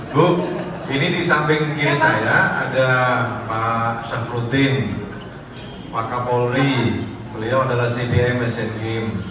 bu ini di samping kiri saya ada pak syafrutin pak kapolri beliau adalah cdi mesin kim